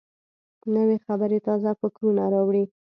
نوې خبرې تازه فکرونه راوړي